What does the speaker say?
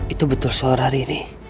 itu betul suara riri